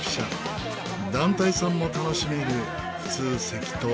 団体さんも楽しめる普通席と。